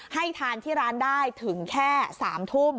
ให้ทานที่ร้านได้ถึงแค่๓ทุ่ม